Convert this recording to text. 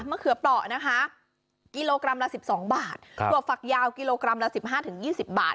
เขือเปราะนะคะกิโลกรัมละ๑๒บาทถั่วฝักยาวกิโลกรัมละ๑๕๒๐บาท